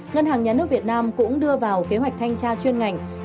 ngân hàng nhà nước việt nam cũng đưa vào kế hoạch thanh tra chuyên ngành